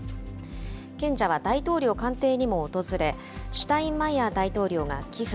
賢者は大統領官邸にも訪れ、シュタインマイヤー大統領が寄付。